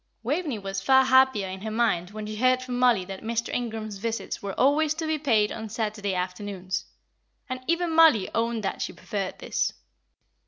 '" Waveney was far happier in her mind when she heard from Mollie that Mr. Ingram's visits were always to be paid on Saturday afternoons; and even Mollie owned that she preferred this.